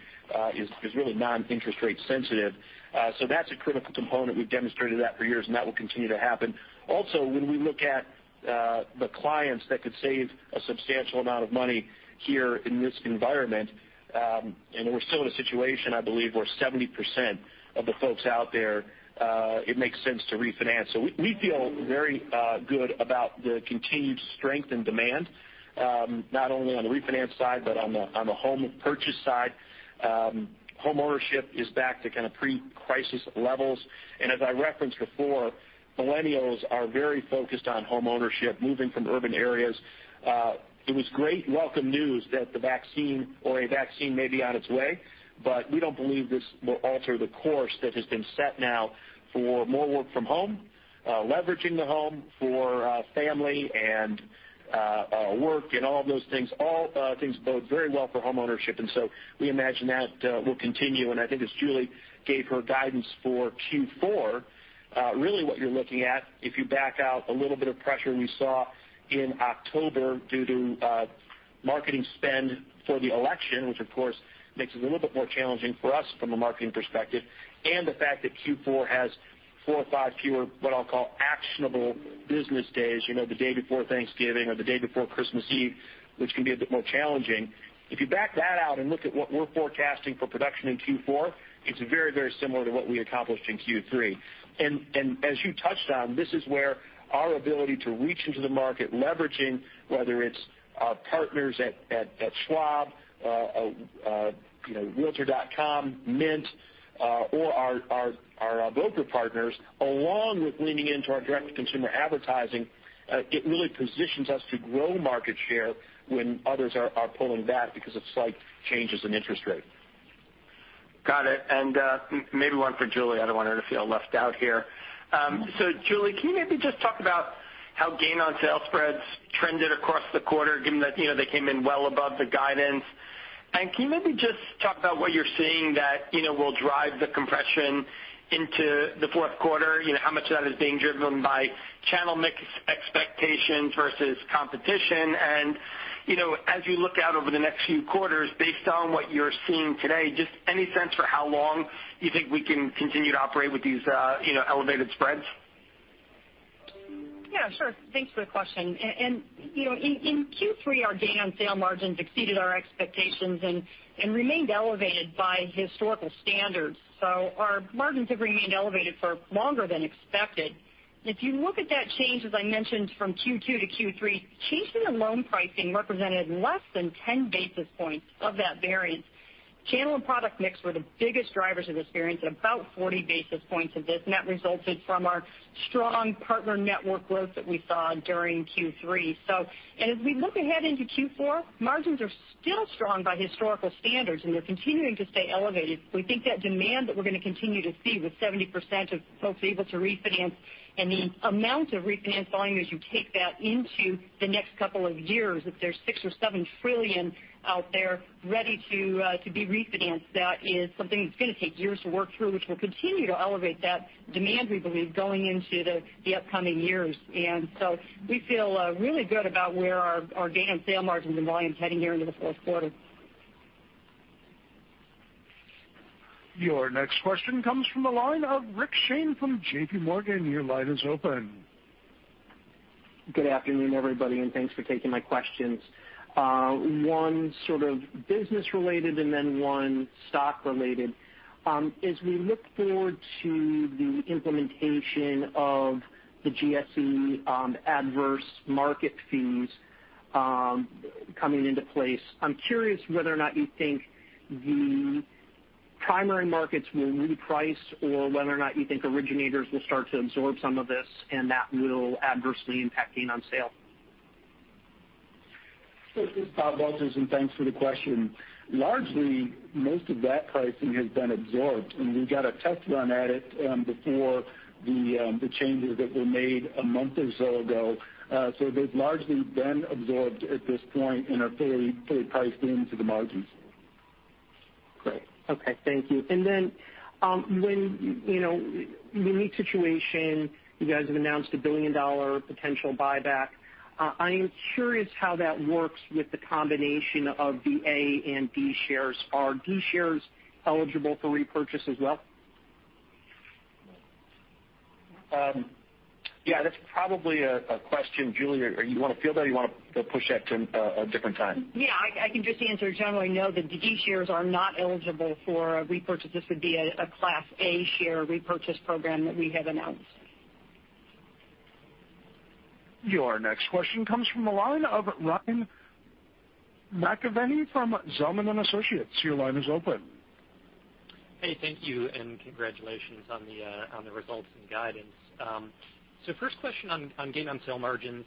is really non-interest rate sensitive. That's a critical component. We've demonstrated that for years, and that will continue to happen. Also, when we look at the clients that could save a substantial amount of money here in this environment, and we're still in a situation, I believe, where 70% of the folks out there it makes sense to refinance. We feel very good about the continued strength and demand, not only on the refinance side, but on the home purchase side. Home ownership is back to kind of pre-crisis levels. As I referenced before, millennials are very focused on home ownership, moving from urban areas. It was great welcome news that the vaccine or a vaccine may be on its way, we don't believe this will alter the course that has been set now for more work from home, leveraging the home for family and work and all of those things. All things bode very well for home ownership, we imagine that will continue. I think as Julie gave her guidance for Q4, really what you're looking at, if you back out a little bit of pressure we saw in October due to marketing spend for the election, which of course makes it a little bit more challenging for us from a marketing perspective, and the fact that Q4 has four or five fewer, what I'll call actionable business days, the day before Thanksgiving or the day before Christmas Eve, which can be a bit more challenging. If you back that out and look at what we're forecasting for production in Q4, it's very similar to what we accomplished in Q3. As you touched on, this is where our ability to reach into the market, leveraging, whether it's our partners at Schwab, realtor.com, Mint, or our broker partners, along with leaning into our direct consumer advertising, it really positions us to grow market share when others are pulling back because of slight changes in interest rate. Got it. Maybe one for Julie. I don't want her to feel left out here. Julie, can you maybe just talk about how gain-on-sale spreads trended across the quarter, given that they came in well above the guidance? Can you maybe just talk about what you're seeing that will drive the compression into the Q4? How much of that is being driven by channel mix expectations versus competition? As you look out over the next few quarters, based on what you're seeing today, just any sense for how long you think we can continue to operate with these elevated spreads? Yeah, sure. Thanks for the question. In Q3, our gain-on-sale margins exceeded our expectations and remained elevated by historical standards. Our margins have remained elevated for longer than expected. If you look at that change, as I mentioned, from Q2 to Q3, changes in loan pricing represented less than 10-basis points of that variance. Channel and product mix were the biggest drivers of this variance at about 40-basis points of this, and that resulted from our strong partner network growth that we saw during Q3. As we look ahead into Q4, margins are still strong by historical standards, and they're continuing to stay elevated. We think that demand that we're going to continue to see with 70% of folks able to refinance and the amount of refinance volume as you take that into the next couple of years, if there's six or seven trillion out there ready to be refinanced, that is something that's going to take years to work through, which will continue to elevate that demand, we believe, going into the upcoming years. We feel really good about where our gain-on-sale margins and volume's heading here into the Q4. Your next question comes from the line of Richard Shane from JPMorgan. Your line is open. Good afternoon, everybody, thanks for taking my questions. One sort of business related, one stock related. As we look forward to the implementation of the GSE Adverse Market fees coming into place, I'm curious whether or not you think the primary markets will reprice or whether or not you think originators will start to absorb some of this and that will adversely impact gain on sale. This is Bob Walters. Thanks for the question. Largely, most of that pricing has been absorbed, and we got a test run at it before the changes that were made a month or so ago. They've largely been absorbed at this point and are fully priced into the margins. Great. Okay. Thank you. Then, unique situation, you guys have announced a billion dollar potential buyback. I am curious how that works with the combination of the A and D shares. Are D shares eligible for repurchase as well? Yeah, that's probably a question, Julie. You want to field that, or you want to push that to a different time? Yeah, I can just answer generally, no, the D shares are not eligible for repurchase. This would be a Class A share repurchase program that we have announced. Your next question comes from the line of Ryan McKeveny from Zelman & Associates. Your line is open. Thank you, and congratulations on the results and guidance. First question on gain-on-sale margins.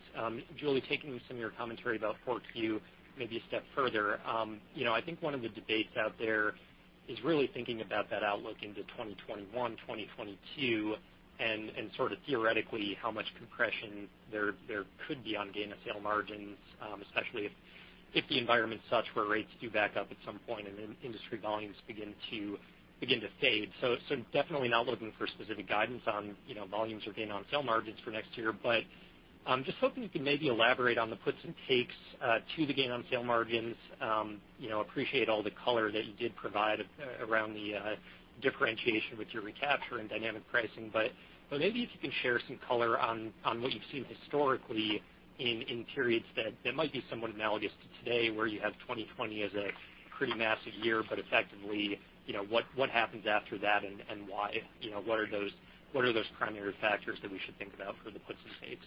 Julie, taking some of your commentary about Q4 view maybe a step further. I think one of the debates out there is really thinking about that outlook into 2021, 2022, and sort of theoretically how much compression there could be on gain-on-sale margins, especially if the environment's such where rates do back up at some point and then industry volumes begin to fade. Definitely not looking for specific guidance on volumes or gain-on-sale margins for next year, but I'm just hoping you can maybe elaborate on the puts and takes to the gain-on-sale margins. Appreciate all the color that you did provide around the differentiation with your recapture and dynamic pricing. Maybe if you can share some color on what you've seen historically in periods that might be somewhat analogous to today, where you have 2020 as a pretty massive year, but effectively, what happens after that and why? What are those primary factors that we should think about for the puts and takes?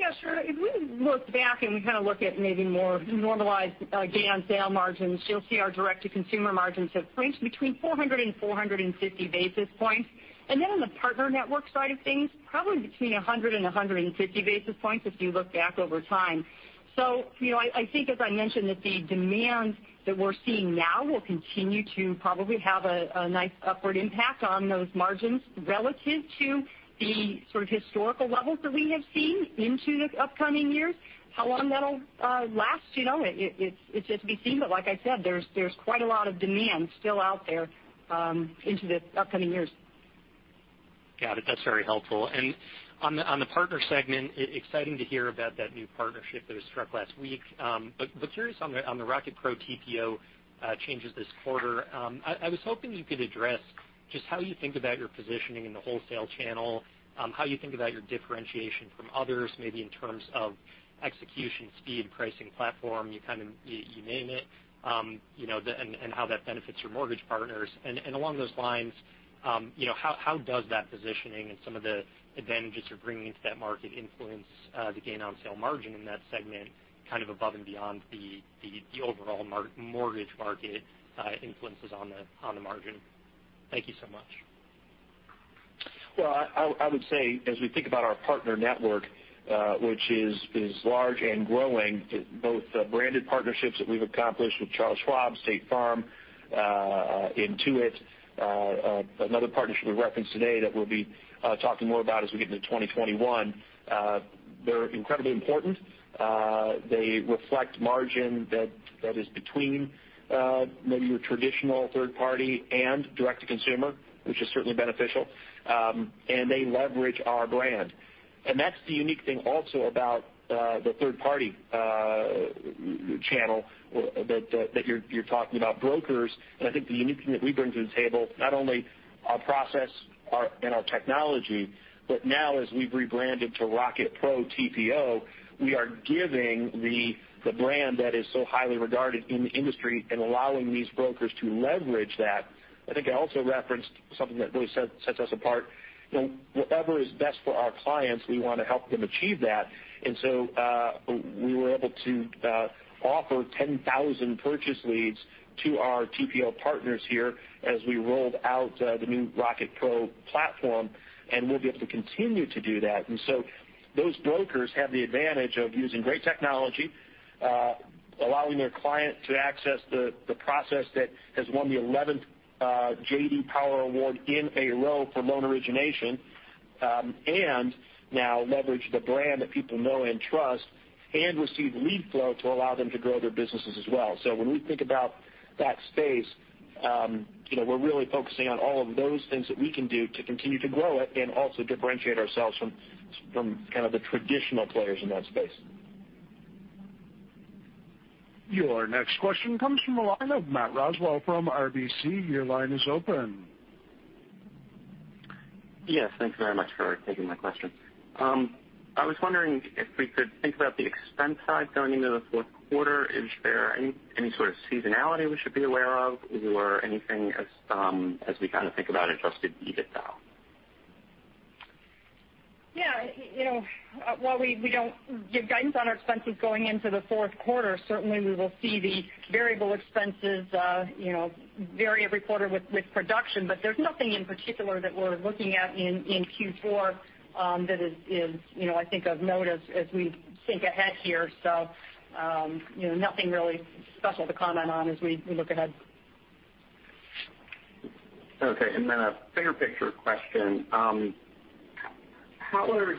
Yeah, sure. If we look back and we kind of look at maybe more normalized gain-on-sale margins, you'll see our direct-to-consumer margins have ranged between 400 and 450-basis points. On the partner network side of things, probably between 100 and 150-basis points if you look back over time. I think as I mentioned, that the demand that we're seeing now will continue to probably have a nice upward impact on those margins relative to the sort of historical levels that we have seen into the upcoming years. How long that'll last, it's yet to be seen. Like I said, there's quite a lot of demand still out there into the upcoming years. Got it. That's very helpful. On the partner segment, exciting to hear about that new partnership that was struck last week. Curious on the Rocket Pro TPO changes this quarter. I was hoping you could address just how you think about your positioning in the wholesale channel, how you think about your differentiation from others, maybe in terms of execution speed, pricing platform, you name it, and how that benefits your mortgage partners. Along those lines, how does that positioning and some of the advantages you're bringing into that market influence the gain-on-sale margin in that segment, kind of above and beyond the overall mortgage market influences on the margin? Thank you so much. I would say as we think about our partner network, which is large and growing, both branded partnerships that we've accomplished with Charles Schwab, State Farm, Intuit, another partnership we referenced today that we'll be talking more about as we get into 2021. They're incredibly important. They reflect margin that is between maybe your traditional third party and direct-to-consumer, which is certainly beneficial. They leverage our brand. That's the unique thing also about the third-party channel that you're talking about brokers. I think the unique thing that we bring to the table, not only our process and our technology, but now as we've rebranded to Rocket Pro TPO, we are giving the brand that is so highly regarded in the industry and allowing these brokers to leverage that. I think I also referenced something that really sets us apart. Whatever is best for our clients, we want to help them achieve that. We were able to offer 10,000 purchase leads to our TPO partners here as we rolled out the new Rocket Pro platform, and we'll be able to continue to do that. Those brokers have the advantage of using great technology, allowing their client to access the process that has won the 11th J.D. Power Award in a row for loan origination. Now leverage the brand that people know and trust and receive lead flow to allow them to grow their businesses as well. When we think about that space, we're really focusing on all of those things that we can do to continue to grow it and also differentiate ourselves from kind of the traditional players in that space. Your next question comes from the line of Matthew Roswell from RBC. Your line is open. Yes, thank you very much for taking my question. I was wondering if we could think about the expense side going into the Q4. Is there any sort of seasonality we should be aware of or anything as we kind of think about adjusted EBITDA? Yeah. While we don't give guidance on our expenses going into the Q4, certainly we will see the variable expenses vary every quarter with production. There's nothing in particular that we're looking at in Q4 that is I think of note as we think ahead here. Nothing really special to comment on as we look ahead. Okay. A bigger picture question. How are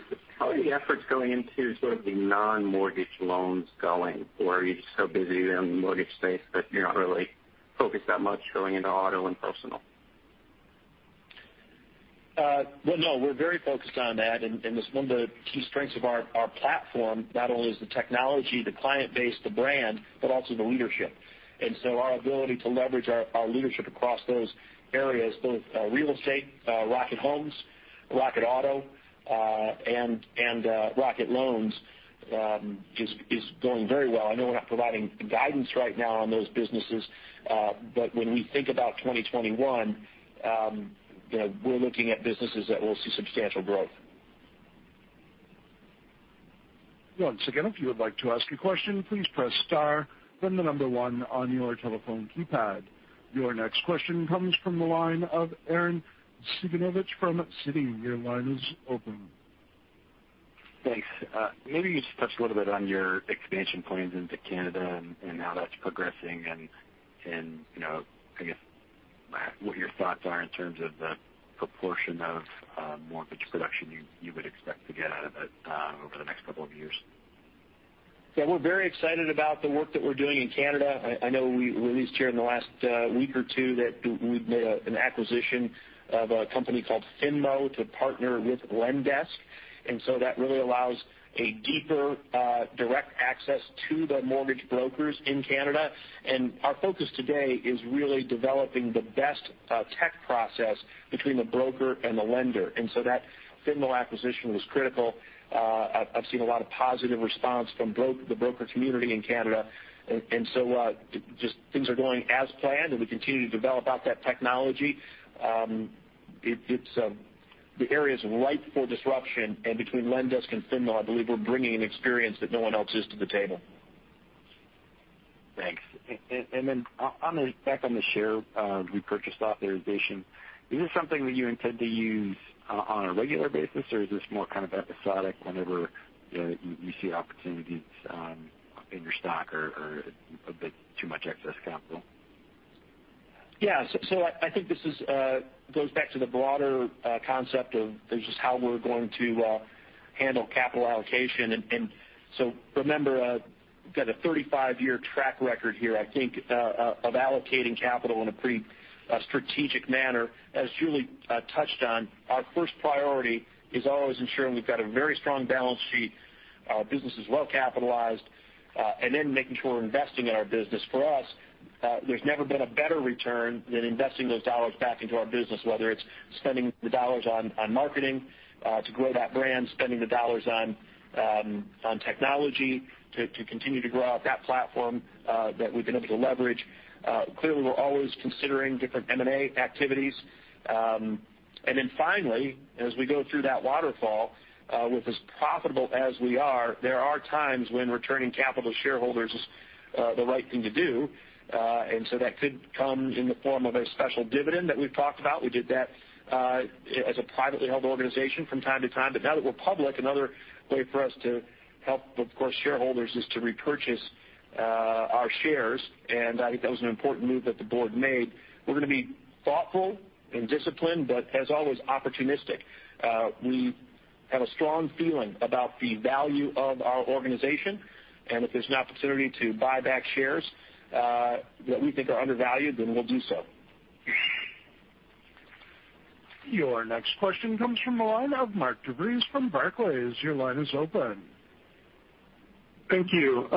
the efforts going into sort of the non-mortgage loans going? Are you just so busy in the mortgage space that you're not really focused that much going into auto and personal? Well, no, we're very focused on that. This is one of the key strengths of our platform. Not only is the technology, the client base, the brand, but also the leadership. Our ability to leverage our leadership across those areas, both real estate, Rocket Homes, Rocket Auto, and Rocket Loans, is going very well. I know we're not providing guidance right now on those businesses. When we think about 2021, we're looking at businesses that will see substantial growth. Your next question comes from the line of Aaron C. from Citi. Your line is open. Thanks. Maybe just touch a little bit on your expansion plans into Canada and how that's progressing and I guess what your thoughts are in terms of the proportion of mortgage production you would expect to get out of it over the next couple of years. Yeah, we're very excited about the work that we're doing in Canada. I know we released here in the last week or two that we've made an acquisition of a company called Finmo to partner with Lendesk. That really allows a deeper, direct access to the mortgage brokers in Canada. Our focus today is really developing the best tech process between the broker and the lender. That Finmo acquisition was critical. I've seen a lot of positive response from the broker community in Canada, and so just things are going as planned, and we continue to develop out that technology. The area's ripe for disruption, and between Lendesk and Finmo, I believe we're bringing an experience that no one else is to the table. Thanks. Back on the share repurchase authorization. Is this something that you intend to use on a regular basis, or is this more kind of episodic whenever you see opportunities in your stock or a bit too much excess capital? I think this goes back to the broader concept of just how we're going to handle capital allocation. Remember, we've got a 35-year track record here, I think, of allocating capital in a pretty strategic manner. As Julie touched on, our first priority is always ensuring we've got a very strong balance sheet. Our business is well-capitalized. Making sure we're investing in our business. For us, there's never been a better return than investing those dollars back into our business, whether it's spending the dollars on marketing to grow that brand, spending the dollars on technology to continue to grow out that platform that we've been able to leverage. Clearly, we're always considering different M&A activities. As we go through that waterfall, with as profitable as we are, there are times when returning capital to shareholders is the right thing to do. That could come in the form of a special dividend that we've talked about. We did that as a privately held organization from time to time. Now that we're public, another way for us to help, of course, shareholders are to repurchase our shares. I think that was an important move that the board made. We're going to be thoughtful and disciplined, but as always, opportunistic. We have a strong feeling about the value of our organization, and if there's an opportunity to buy back shares that we think are undervalued, then we'll do so. Your next question comes from the line of Mark DeVries from Barclays. Your line is open. Thank you.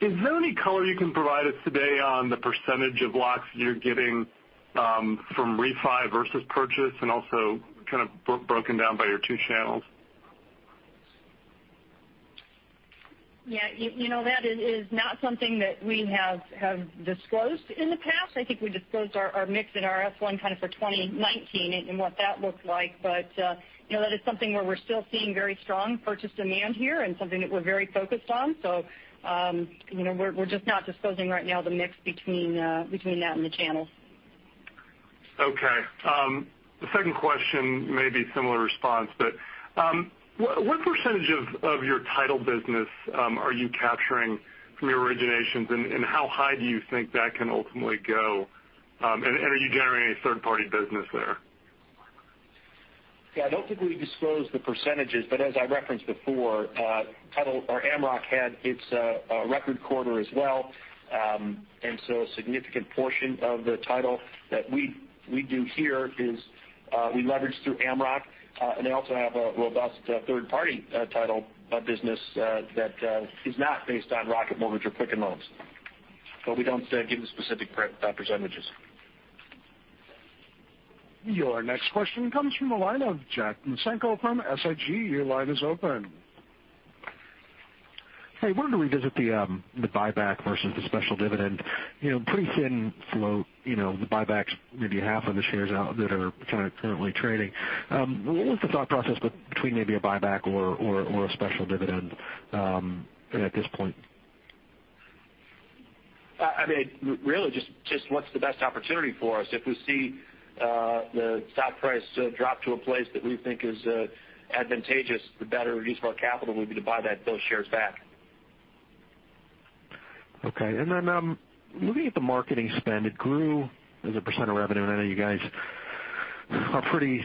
Is there any color you can provide us today on the percentage of locks you're getting from refi versus purchase, and also kind of broken down by your two channels? Yeah. That is not something that we have disclosed in the past. I think we disclosed our mix in our F-1 kind of for 2019 and what that looked like. That is something where we're still seeing very strong purchase demand here and something that we're very focused on. We're just not disclosing right now the mix between that and the channels. Okay. The second question may be a similar response, but what % of your title business are you capturing from your originations, and how high do you think that can ultimately go? Are you generating any third-party business there? Yeah. I don't think we disclose the percentages, but as I referenced before, title or Amrock had its record quarter as well. A significant portion of the title that we do here is we leverage through Amrock. They also have a robust third-party title business that is not based on Rocket Mortgage or Quicken Loans. We don't give the specific percentages. Your next question comes from the line of Jack Micenko from SIG. Your line is open. Wanted to revisit the buyback versus the special dividend. Pretty thin flow, the buybacks, maybe half of the shares out that are kind of currently trading. What was the thought process between maybe a buyback or a special dividend at this point? Really just what's the best opportunity for us. If we see the stock price drop to a place that we think is advantageous, the better use of our capital would be to buy back those shares. Okay. Looking at the marketing spends, it grew as a percent of revenue, and I know you guys are pretty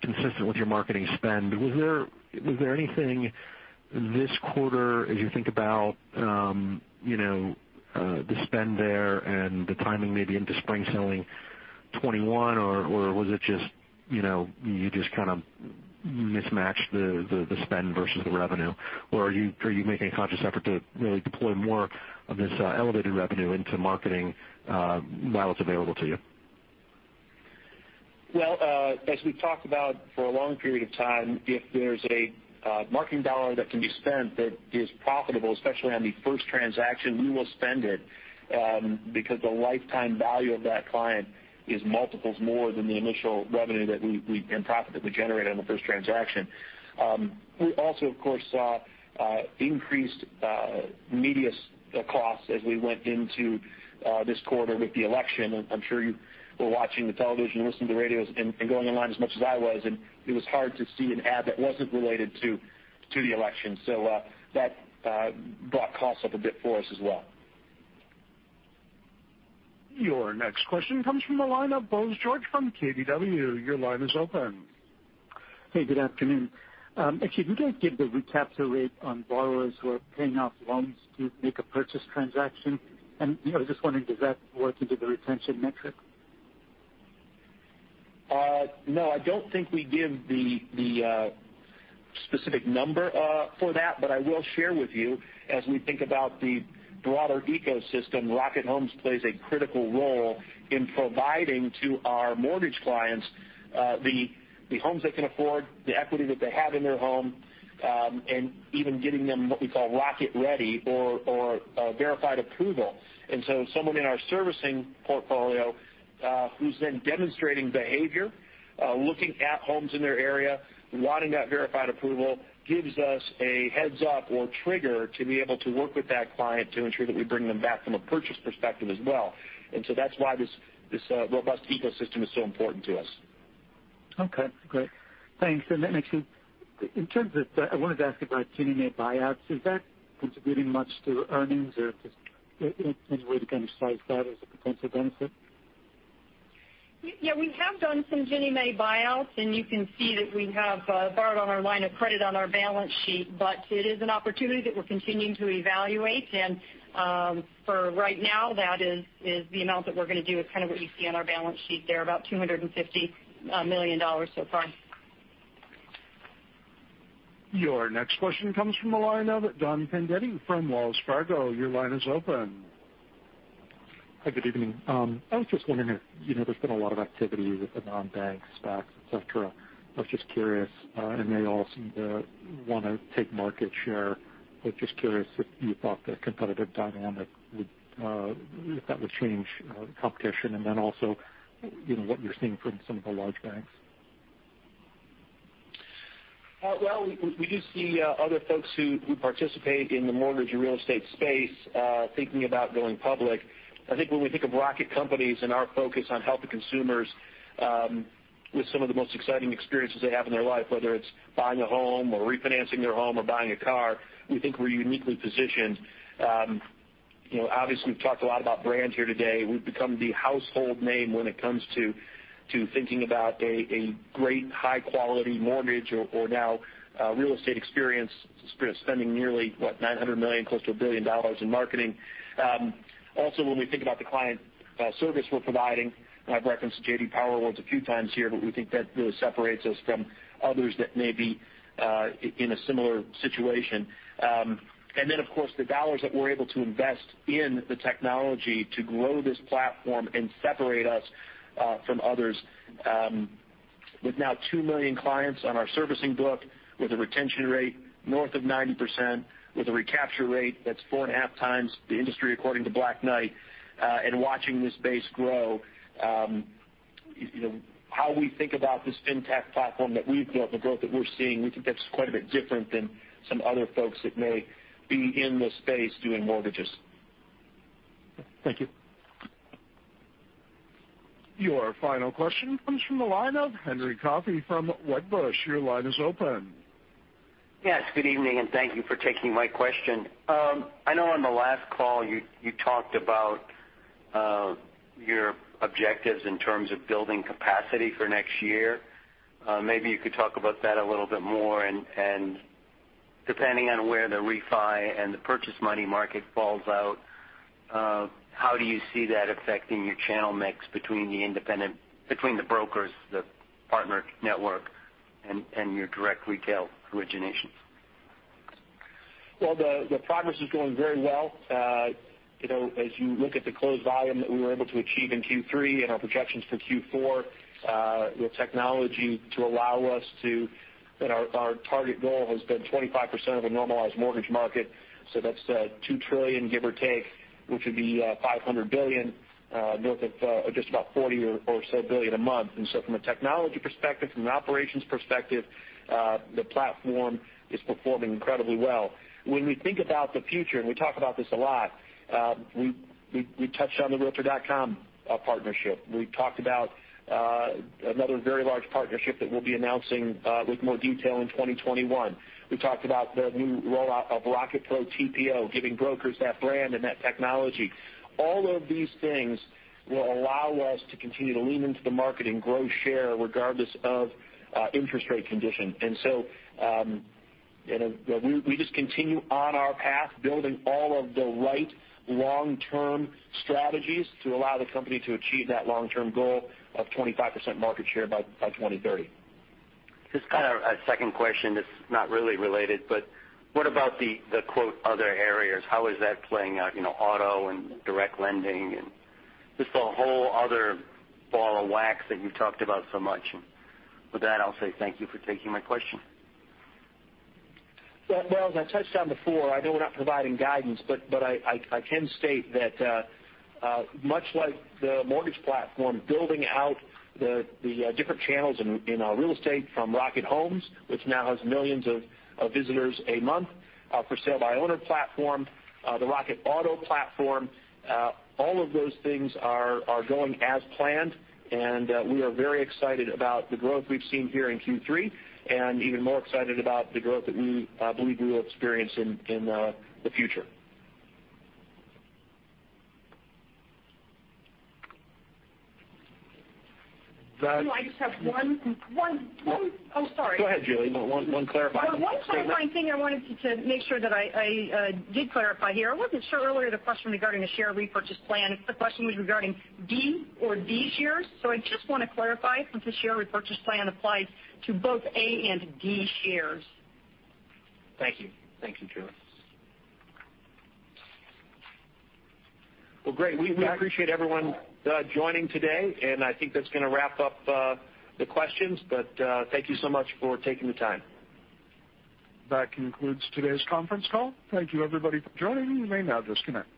consistent with your marketing spend. Was there anything this quarter as you think about the spend there and the timing maybe into spring selling 2021? Was it just, you just kind of mismatched the spend versus the revenue? Are you making a conscious effort to really deploy more of this elevated revenue into marketing now it's available to you? Well, as we've talked about for a long period of time, if there's a marketing dollar that can be spent that is profitable, especially on the first transaction, we will spend it, because the lifetime value of that client is multiples more than the initial revenue and profit that we generate on the first transaction. We also, of course, saw increased media costs as we went into this quarter with the election. It was hard to see an ad that wasn't related to the election. That brought costs up a bit for us as well. Your next question comes from the line of Bose George from KBW. Your line is open. Hey, good afternoon. Actually, do you guys give the recapture rate on borrowers who are paying off loans to make a purchase transaction? I was just wondering, does that work into the retention metric? I don't think we give the specific number for that. I will share with you, as we think about the broader ecosystem, Rocket Homes plays a critical role in providing to our mortgage clients the homes they can afford, the equity that they have in their home, and even getting them what we call Rocket Ready or a verified approval. Someone in our servicing portfolio, who's then demonstrating behavior, looking at homes in their area, wanting that verified approval, gives us a heads-up or trigger to be able to work with that client to ensure that we bring them back from a purchase perspective as well. That's why this robust ecosystem is so important to us. Okay, great. Thanks. Actually, in terms of, I wanted to ask about Ginnie Mae buyouts. Is that contributing much to earnings, or any way to kind of size that as a potential benefit? Yeah, we have done some Ginnie Mae buyouts. You can see that we have borrowed on our line of credit on our balance sheet. It is an opportunity that we're continuing to evaluate. For right now, that is the amount that we're going to do is kind of what you see on our balance sheet there, about $250 million so far. Your next question comes from the line of Don Fandetti from Wells Fargo. Your line is open. Hi, good evening. There's been a lot of activity with the non-bank SPACs, et cetera. I was just curious; they all seem to want to take market share. I was just curious if you thought the competitive dynamic, if that would change competition, then also what you're seeing from some of the large banks. Well, we do see other folks who participate in the mortgage and real estate space thinking about going public. I think when we think of Rocket Companies and our focus on helping consumers with some of the most exciting experiences they have in their life, whether it's buying a home or refinancing their home or buying a car, we think we're uniquely positioned. We've talked a lot about brand here today. We've become the household name when it comes to thinking about a great high-quality mortgage or now real estate experience. We're spending nearly, what, $900 million, close to $1 billion in marketing. When we think about the client service we're providing, and I've referenced J.D. Power awards a few times here, but we think that really separates us from others that may be in a similar situation. Of course, the dollars that we're able to invest in the technology to grow this platform and separate us from others. With now two million clients on our servicing book, with a retention rate north of 90%, with a recapture rate that's four and a half times the industry, according to Black Knight, and watching this base grow, how we think about this fintech platform that we've built and the growth that we're seeing, we think that's quite a bit different than some other folks that may be in the space doing mortgages. Thank you. Your final question comes from the line of Henry Coffey from Wedbush. Your line is open. Yes, good evening, and thank you for taking my question. I know on the last call, you talked about your objectives in terms of building capacity for next year. Maybe you could talk about that a little bit more. Depending on where the refi and the purchase money market fall out, how do you see that affecting your channel mix between the brokers, the partner network, and your direct retail origination? Well, the progress is going very well. As you look at the closed volume that we were able to achieve in Q3 and our projections for Q4, with technology to allow us, our target goal has been 25% of a normalized mortgage market, so that's $2 trillion, give or take, which would be $500 billion, north of just about $40 or so billion a month. From a technology perspective, from an operations perspective, the platform is performing incredibly well. When we think about the future, and we talk about this a lot, we touched on the realtor.com partnership. We talked about another very large partnership that we'll be announcing with more detail in 2021. We talked about the new rollout of Rocket Pro TPO, giving brokers that brand and that technology. All of these things will allow us to continue to lean into the market and grow share regardless of interest rate condition. We just continue on our path, building all of the right long-term strategies to allow the company to achieve that long-term goal of 25% market share by 2030. Just kind of a second question that's not really related, what about the quote, "other areas"? How is that playing out, auto and direct lending, and just the whole other ball of wax that you've talked about so much. With that, I'll say thank you for taking my question. Well, as I touched on before, I know we're not providing guidance, but I can state that, much like the mortgage platform, building out the different channels in our real estate from Rocket Homes, which now has millions of visitors a month, our for sale by owner platform, the Rocket Auto platform, all of those things are going as planned, and we are very excited about the growth we've seen here in Q3 and even more excited about the growth that we believe we will experience in the future. I just have one. Oh, sorry. Go ahead, Julie. One clarifying. One clarifying thing I wanted to make sure that I did clarify here. I wasn't sure earlier the question regarding the share repurchase plan if the question was regarding B or D shares. I just want to clarify since the share repurchase plan applies to both A and D shares. Thank you. Thank you, Julie. Well, great. We appreciate everyone joining today, and I think that's going to wrap up the questions, but thank you so much for taking the time. That concludes today's conference call. Thank you, everybody for joining. You may now disconnect.